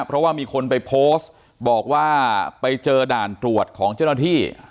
เพราะว่ามีคนไปโพสต์บอกว่าไปเจอด่านตรวจของเจ้าหน้าที่